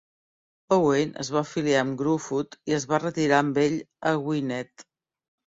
Owain es va aliar amb Gruffudd i es va retirar amb ell a Gwynedd.